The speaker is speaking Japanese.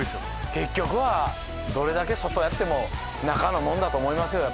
結局はどれだけ外やっても中のもんだと思いますよ。